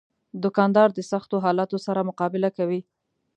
دوکاندار د سختو حالاتو سره مقابله کوي.